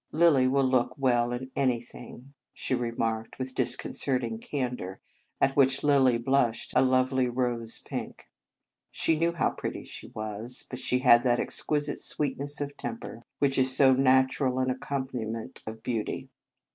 " Lilly will look well in anything," she remarked with disconcerting candour, at which Lilly blushed a lovely rose pink. She knew how pretty she was, but she had that exquisite sweetness of temper which 38 The Convent Stage is so natural an accompaniment of beauty.